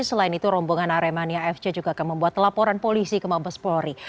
selain itu rombongan aremania fc juga akan membuat laporan polisi ke mabes polri